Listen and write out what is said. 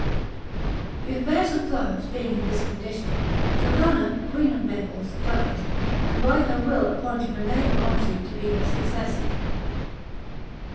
The affairs of Florence being in this condition, Giovanna, queen of Naples, died, and by her will appointed René of Anjou to be her successor.